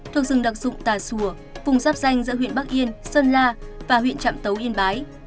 thuộc rừng đặc dụng tà xùa vùng giáp danh giữa huyện bắc yên sơn la và huyện trạm tấu yên bái